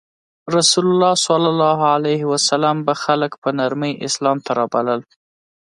رسول الله به خلک په نرمۍ اسلام ته رابلل.